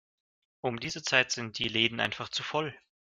Um diese Zeit sind die Läden einfach zu voll.